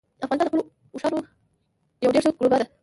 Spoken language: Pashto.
افغانستان د خپلو اوښانو یو ډېر ښه کوربه دی.